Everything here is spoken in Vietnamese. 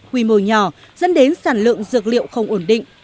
quy mô nhỏ dẫn đến sản lượng dược liệu không ổn định